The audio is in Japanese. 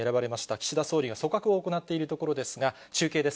岸田総理が組閣を行っているところですが、中継です。